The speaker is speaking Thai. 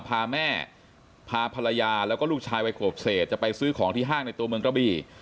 พาแม่พาภรรยาแล้วก็ลูกชายวัยขวบเศษจะไปซื้อของที่ห้างในตัวเมืองกระบี่